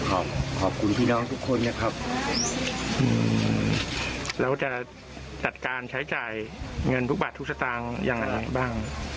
ก่อนได้เลี้ยงแม่กินเราจะจัดการใช้จ่ายเงินทุกบาททุกสตางค์อย่างไรบ้าง